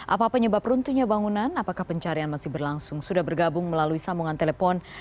apa penyebab runtuhnya bangunan apakah pencarian masih berlangsung sudah bergabung melalui sambungan telepon